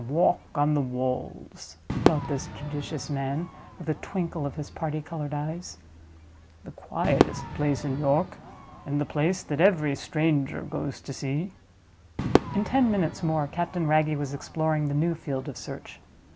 "The Walk on the Walls," thought this judicious man, with a twinkle of his party colored eyes. "The quietest place in York; and the place that every stranger goes to see." In ten minutes more Captain Wragge was exploring the new field of search.